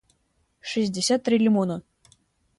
шестьдесят три лимона